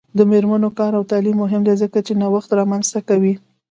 د میرمنو کار او تعلیم مهم دی ځکه چې نوښت رامنځته کوي.